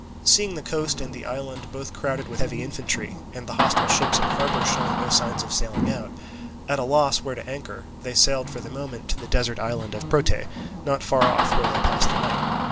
Seeing the coast and the island both crowded with heavy infantry, and the hostile ships in harbour showing no signs of sailing out, at a loss where to anchor, they sailed for the moment to the desert island of Prote, not far off, where they passed the night.